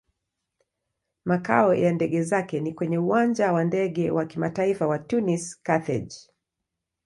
Makao ya ndege zake ni kwenye Uwanja wa Ndege wa Kimataifa wa Tunis-Carthage.